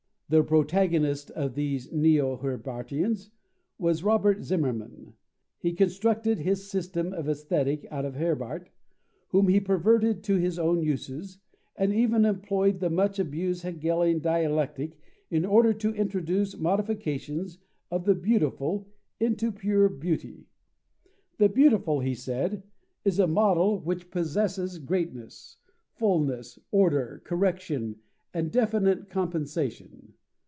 The protagonist of these neo Herbartians was Robert Zimmermann. He constructed his system of Aesthetic out of Herbart, whom he perverted to his own uses, and even employed the much abused Hegelian dialectic in order to introduce modifications of the beautiful into pure beauty. The beautiful, he said, is a model which possesses greatness, fulness, order, correction, and definite compensation.